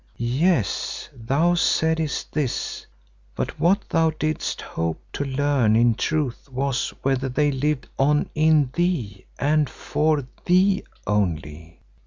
Yes, thou saidest this, but what thou didst hope to learn in truth was whether they lived on in thee and for thee only.